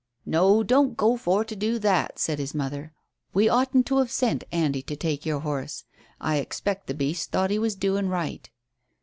"No, don't go for to do that," said his mother. "We oughtn't to have sent Andy to take your horse. I expect the beast thought he was doing right."